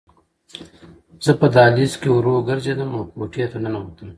زه په دهلیز کې ورو ګرځېدم او کوټې ته ننوتم